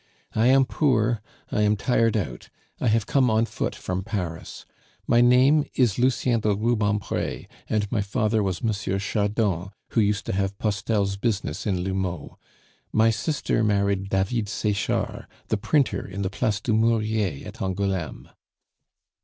"I am poor, I am tired out, I have come on foot from Paris. My name is Lucien de Rubempre, and my father was M. Chardon, who used to have Postel's business in L'Houmeau. My sister married David Sechard, the printer in the Place du Murier at Angouleme."